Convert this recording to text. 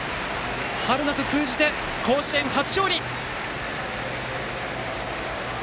春夏通じて甲子園初勝利！